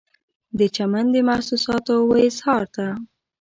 د چمن د محسوساتو و اظهار ته